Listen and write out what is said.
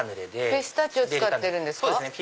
ピスタチオ使ってるんですか？